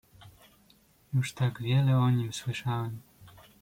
"Już tak wiele o nim słyszałem."